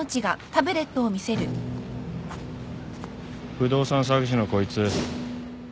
不動産詐欺師のこいつ